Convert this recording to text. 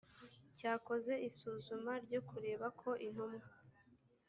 cyakoze isuzuma ryo kureba ko intumwa